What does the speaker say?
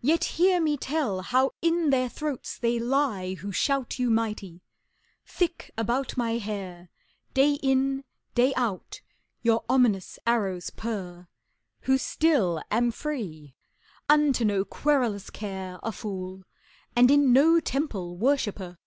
Yet hear me tell how in their throats they lie Who shout you mighty: thick about my hair Day in, day out, your ominous arrows purr Who still am free, unto no querulous care A fool, and in no temple worshiper!